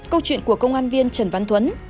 câu chuyện của công an viên trần văn thuấn